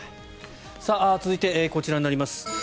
続いて、こちらになります。